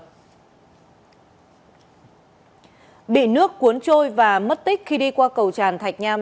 bị nước cuốn trôi và mất tích khi đi qua cầu tràn thạch nham